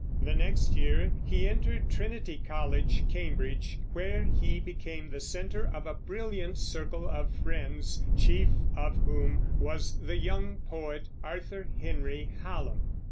The next year he entered Trinity College, Cambridge, where he became the center of a brilliant circle of friends, chief of whom was the young poet Arthur Henry Hallam.